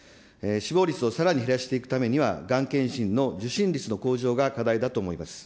死亡率をさらに減らしていくためには、がん検診の受診率の向上が課題だと思います。